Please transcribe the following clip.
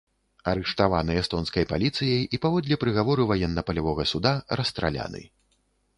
Арыштаваны эстонскай паліцыяй і паводле прыгавору ваенна-палявога суда расстраляны.